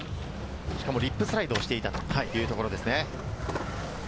リップスライドをしていたというところですね。